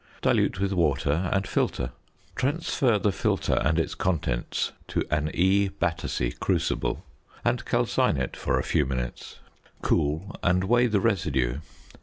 Dilute with water, and filter. Transfer the filter and its contents to an E Battersea crucible, and calcine it for a few minutes. Cool, and weigh the residue.